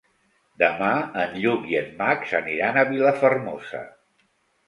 Demà en Lluc i en Max aniran a Vilafermosa.